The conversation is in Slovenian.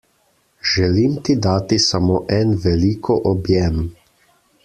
Želim ti dati samo en veliko objem!